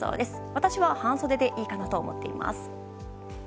私は半袖でいいかなと思っています。